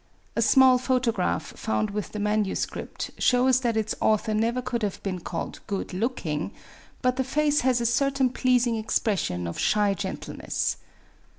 A small photograph found with the manuscript shows that its author never could have been called good looking; but the face has a certain pleasing expression of shy gentleness.